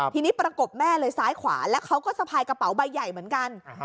ทีนี้ประกบแม่เลยซ้ายขวาแล้วเขาก็สะพายกระเป๋าใบใหญ่เหมือนกัน